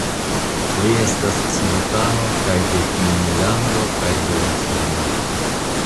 Li estas civitano kaj de Finnlando kaj de Usono.